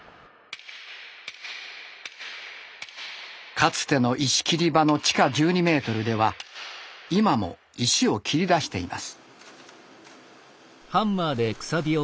かつての石切り場の地下１２ｍでは今も石を切り出しています。